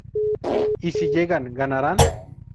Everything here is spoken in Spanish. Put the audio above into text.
Y si llegan, ¿ganarán?